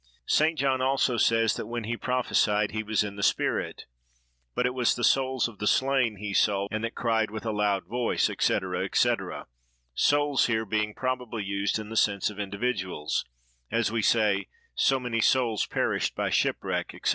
St. John also says, that when he prophesied, he was in the spirit; but it was the "souls of the slain" that he saw, and that "cried with a loud voice," &c., &c. souls, here, being probably used in the sense of individuals,—as we say, so many "souls perished by shipwreck," &c.